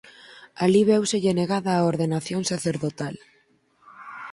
Alí véuselle negada a ordenación sacerdotal.